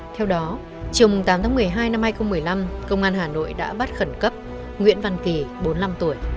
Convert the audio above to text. theo đó chiều tám tháng một mươi hai năm hai nghìn một mươi năm công an hà nội đã bắt khẩn cấp nguyễn văn kỳ bốn mươi năm tuổi